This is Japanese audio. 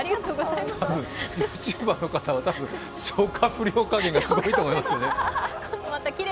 ＹｏｕＴｕｂｅｒの方は多分、消化不良感がすごいと思いますね。